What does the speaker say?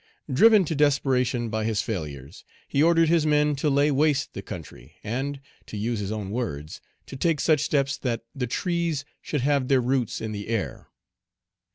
Driven to desperation by his failures, he ordered his men to lay waste the country, and, to use his own words, to take such steps that "the trees should have their roots in the air."